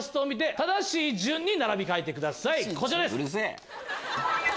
こちらです。